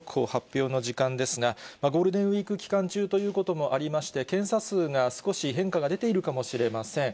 東京の感染者速報発表の時間ですが、ゴールデンウィーク期間中ということもありまして、検査数が少し変化が出ているかもしれません。